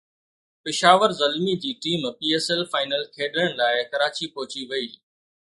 پشاور زلمي جي team P S L final کيڏڻ لاءِ ڪراچي پهچي وئي